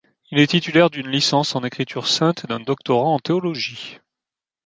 Il est titulaire d'une licence en Écriture sainte et d'un doctorat en théologie.